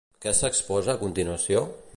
Què s'exposa a continuació?